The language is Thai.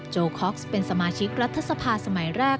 โอคอ็กซ์เป็นสมาชิกรัฐสภาสมัยแรก